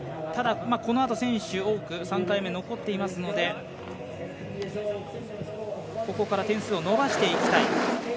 ただこのあと、選手多く３回目が残っていますのでここから点数を伸ばしていきたい